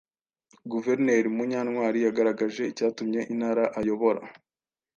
Guverineri Munyantwali yagaragaje icyatumye Intara ayobora